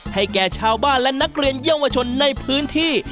แก่ชาวบ้านและนักเรียนเยาวชนในพื้นที่